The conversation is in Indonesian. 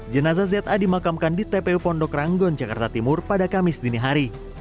jenazah za dimakamkan di tpu pondok ranggon jakarta timur pada kamis dini hari